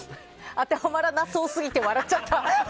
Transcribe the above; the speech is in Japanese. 当てはまらなさそうすぎて笑っちゃった。